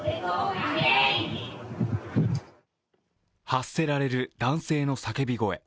発せられる男性の叫び声。